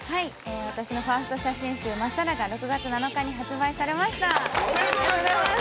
私のファースト写真集『まっさら』が６月７日に発売されました。